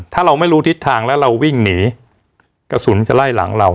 ถ้าเราไม่รู้ทิศทางแล้วเราวิ่งหนีกระสุนจะไล่หลังเรา